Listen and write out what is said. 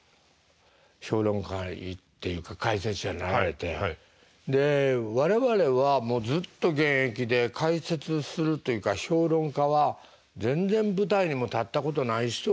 評論家へ行っていうか解説者になられて我々はもうずっと現役で解説するというか評論家は全然舞台にも立ったことない人が評論するもんですからね。